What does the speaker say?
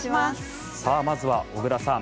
まずは小椋さん